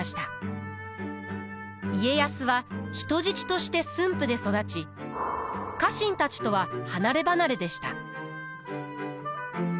家康は人質として駿府で育ち家臣たちとは離れ離れでした。